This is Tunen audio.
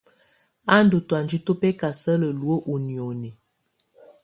Á ndù tɔ̀ánjɛ tu bɛkasala luǝ́ ú nioni.